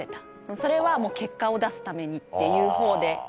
それはもう結果を出すためにっていうほうで。